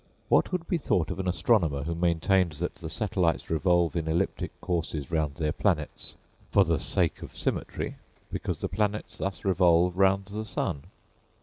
What would be thought of an astronomer who maintained that the satellites revolve in elliptic courses round their planets "for the sake of symmetry," because the planets thus revolve round the sun?